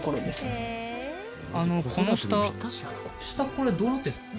この下下これどうなってるんですか？